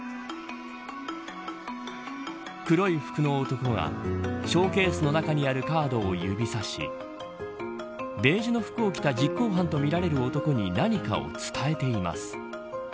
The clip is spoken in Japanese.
黒い服の男がショーケースの中にあるカードを指さしベージュの服を着た実行犯とみられる男に何かを伝えています。